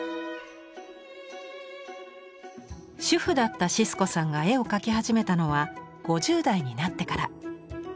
主婦だったシスコさんが絵を描き始めたのは５０代になってから。